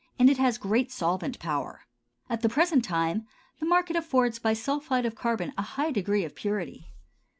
and it has great solvent power. At the present time, the market affords bisulphide of carbon of a high degree of purity.